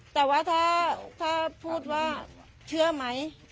แต่ว่าถ้าพูดว่าเชื่อไหม